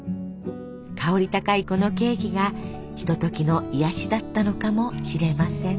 香り高いこのケーキがひとときの癒やしだったかもしれません。